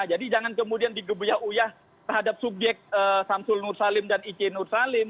jadi jangan kemudian digebuyauyah terhadap subjek samsul nur salim dan ike nur salim